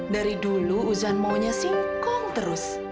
dari dulu uzan maunya singkong terus